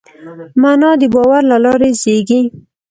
معنی د باور له لارې زېږي.